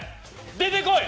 出てこい！